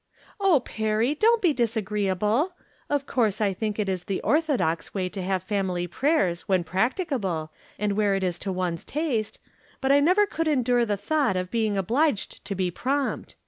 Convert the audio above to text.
" Oh, now. Perry, don't be disagreeable ! Of course I think it is the orthodox way to have family prayers when practicable, and where it is to one's taste, but I never could endure the thought of being obliged to be prompt.